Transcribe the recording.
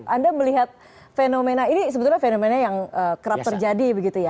anda melihat fenomena ini sebetulnya fenomena yang kerap terjadi begitu ya